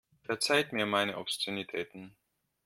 Verzeiht mir meine Obszönitäten.